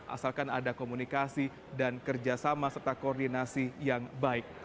asalkan ada komunikasi dan kerjasama serta koordinasi yang baik